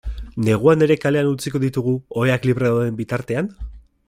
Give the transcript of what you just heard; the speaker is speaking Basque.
Neguan ere kalean utziko ditugu, oheak libre dauden bitartean?